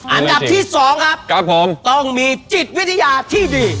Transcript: อันดับที่๒ครับผมต้องมีจิตวิทยาที่ดี